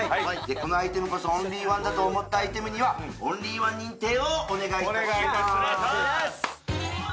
このアイテムこそオンリーワンだと思ったアイテムにはオンリーワン認定をお願いいたしますイエス！